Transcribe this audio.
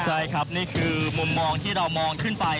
ใช่ครับนี่คือมุมมองที่เรามองขึ้นไป